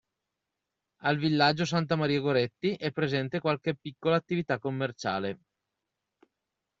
Al Villaggio Santa Maria Goretti è presente qualche piccola attività commerciale.